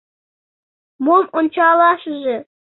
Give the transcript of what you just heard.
— Мом ончалашыже.